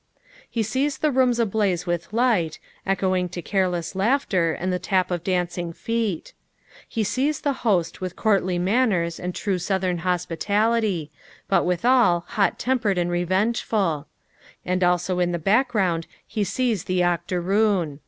He sees the rooms ablaze with light, echoing to careless laughter and the tap of dancing feet ; he sees the host with courtly manners and true Southern hospitality, but withal hot tempered and revengeful ; and also in the background he sees the Octo roon.